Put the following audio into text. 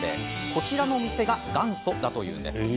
こちらのお店が元祖だというんです。